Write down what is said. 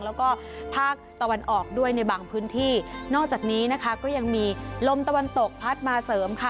แล้วก็ภาคตะวันออกด้วยในบางพื้นที่นอกจากนี้นะคะก็ยังมีลมตะวันตกพัดมาเสริมค่ะ